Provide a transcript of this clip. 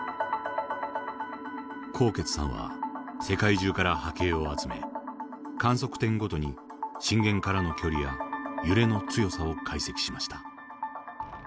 纐纈さんは世界中から波形を集め観測点ごとに震源からの距離や揺れの強さを解析しました。